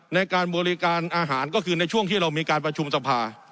ในการบริการอาหารก็คือในช่วงที่เรามีการประชุมสภา